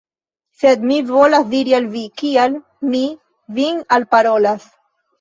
Sed mi volas diri al vi, kial mi vin alparolas.